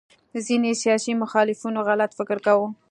ځینې سیاسي مخالفینو غلط فکر کاوه